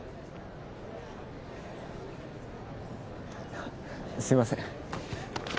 あっすいません。